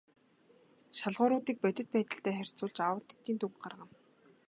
Шалгууруудыг бодит байдалтай харьцуулж аудитын дүнг гаргана.